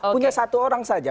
punya satu orang saja